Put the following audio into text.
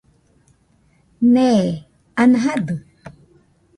Nee, ana jadɨ